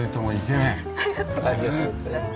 ありがとうございます。